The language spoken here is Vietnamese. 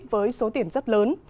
với số tiền rất lớn